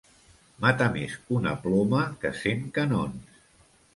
Mata més una ploma que cent canons.